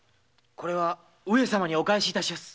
これは上様にお返しいたします。